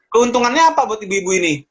keuntungannya apa buat ibu ibu ini